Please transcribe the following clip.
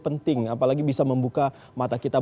penting apalagi bisa membuka mata kita